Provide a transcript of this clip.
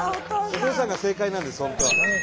お父さんが正解なんです本当は。